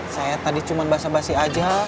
saya tadi cuma basah basih aja